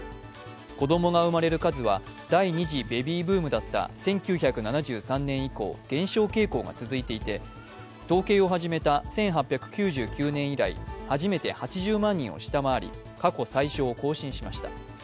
子供が生まれる数は第２次ベビーブームだった１９７３年以降減少傾向が続いていて、統計を始めた１８９９年以来初めて８０万人を下回り過去最少を更新しました。